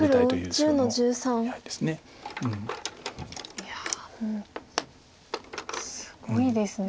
いやもうすごいですね。